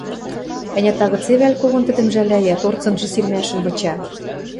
Ӓнят, тагыце вӓл когон тӹдӹм жӓлӓя, торцынжы сирмӓшӹм выча.